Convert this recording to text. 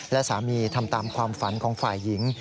และสามีทำตามความฝันของฝ่ายหญิง